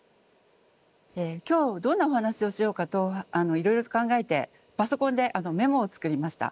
今日どんなお話をしようかといろいろと考えてパソコンでメモを作りました。